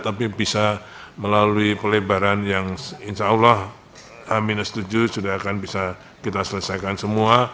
tapi bisa melalui pelebaran yang insyaallah aminah setuju sudah akan bisa kita selesaikan semua